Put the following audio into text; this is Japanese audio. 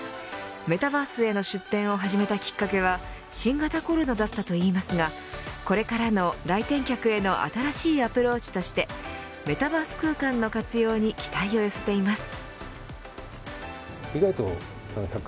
メタバースへの出展を始めたきっかけは新型コロナだったといいますがこれからの来店客への新しいアプローチとしてメタバース空間の活用に期待を寄せています。